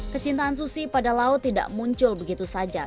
kecintaan susi pada laut tidak muncul begitu saja